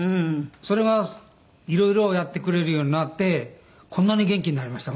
それがいろいろやってくれるようになってこんなに元気になりました